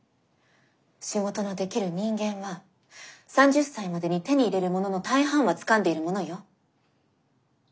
仕事のできる人間は３０歳までに手に入れるものの大半はつかんでいるものよ。